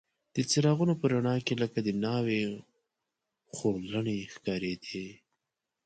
د څراغونو په رڼا کې لکه د ناوې خورلڼې ښکارېدې.